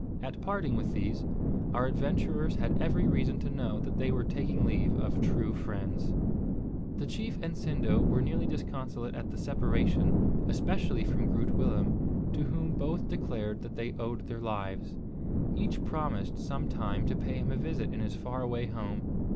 At parting with these, our adventurers had every reason to know that they were taking leave of true friends. The chief and Sindo were nearly disconsolate at the separation, especially from Groot Willem, to whom both declared that they owed their lives. Each promised sometime to pay him a visit in his far away home.